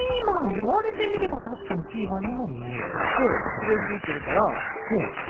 いわれてみればたしかにピーマンにもみえる。でくちぶえふいてるからピューマン！